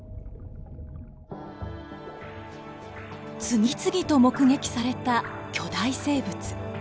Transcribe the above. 次々と目撃された巨大生物。